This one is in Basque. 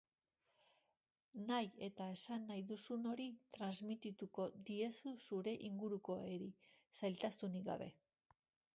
Nahi eta esan nahi duzun hori transmitituko diezu zure ingurukoei, zailtasunik gabe.